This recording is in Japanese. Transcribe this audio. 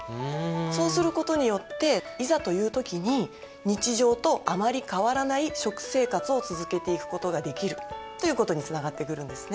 そうすることによっていざという時に日常とあまり変わらない食生活を続けていくことができるということにつながってくるんですね。